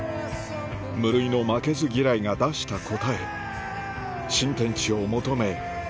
無類の負けず嫌いが出した答え新天地を求め